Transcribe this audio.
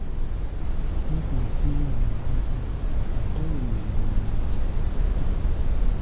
Mɛ́ kɔ̧ɔ̧ kú̧í̧á̧ wen há̧ bíí, mɛ tɔ̧́ wen nɛ ŋgɔ́n na nde?